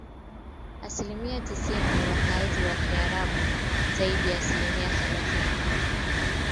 asilimia sitini ya wakazi ni Waarabu Zaidi ya asilimia thelathini